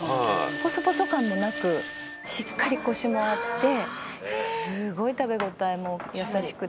「ポソポソ感もなくしっかりコシもあってすごい食べ応えも優しくて」